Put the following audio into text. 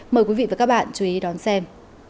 mời quý vị và các bạn chú ý đón xem